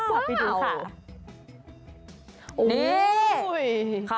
ปล่อยไปดูค่ะ